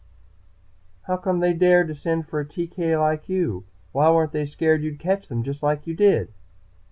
"How come they dared send for a TK like you? Why weren't they scared you'd catch them, just like you did?"